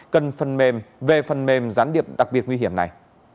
cần phần mềm về phần mềm gián điệp đặc biệt nguy hiểm này